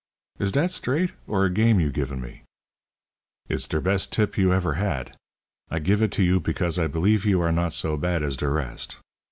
"Is dat straight, or a game you givin' me?" "It's der pest tip you efer had. I gif it to you pecause I pelief you are not so bad as der rest.